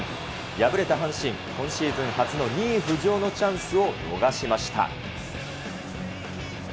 敗れた阪神、今シーズン初の２位浮上のチャンスを逃しました。